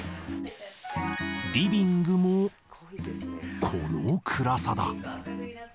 リビングもこの暗さだ。